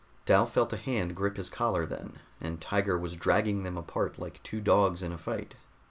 Dal felt a hand grip his collar then, and Tiger was dragging them apart like two dogs in a fight.